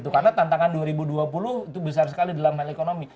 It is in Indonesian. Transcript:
karena tantangan dua ribu dua puluh itu besar sekali dalam hal ekonomi